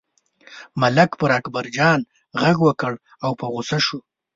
ملک پر اکبرجان غږ وکړ او په غوسه شو.